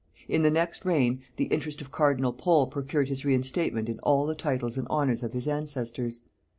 In the next reign, the interest of cardinal Pole procured his reinstatement in all the titles and honors of his ancestors.